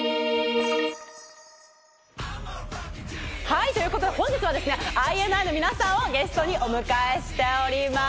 はい、ということで本日はＩＮＩの皆さんをゲストにお迎えしております。